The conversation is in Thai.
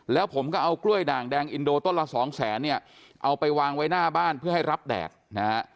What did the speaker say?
แล้วผมก็เอากล้วยด่างแดงอินโดต้นละสองแสนเนี่ยเอาไปวางไว้หน้าบ้านเพื่อให้รับแดดนะฮะ